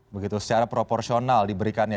begitu secara proporsional diberikannya